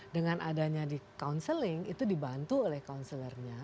dengan adanya di counseling itu dibantu oleh counsellor nya